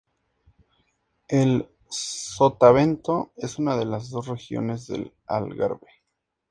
El Sotavento es una de las dos regiones del Algarve.